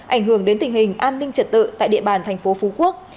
ảnh hưởng đến tình hình an ninh trật tự tại địa bàn thành phố phú quốc